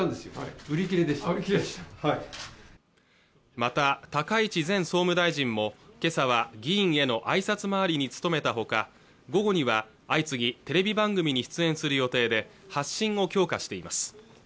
また高市前総務大臣もけさは議員への挨拶回りに努めたほか午後には相次ぎテレビ番組に出演する予定で発信を強化しています